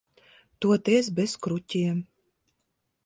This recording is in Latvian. Toties bez kruķiem.